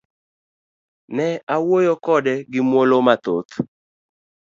Ne awuoyo kode gi muolo mathoth.